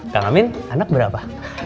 kang amin anak berapa